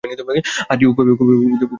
হ্যাঁ, রিও খুবই নিস্তেজ একটা শহর।